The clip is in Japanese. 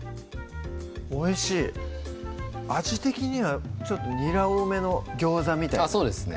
おいしい味的にはにら多めのギョーザみたいなそうですね